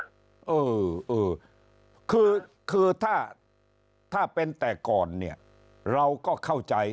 เออเออคือถ้าเป็นแต่ก่อนเนี่ยเราก็เข้าใจ